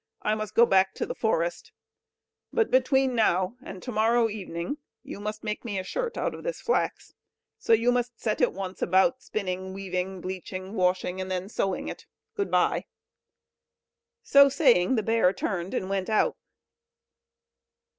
I must go back to the forest; but between now and to morrow evening you must make me a shirt, out of this flax; so you must set at once about spinning, weaving, bleaching, washing, and then about sewing it. Good bye!" So saying the bear turned, and went out.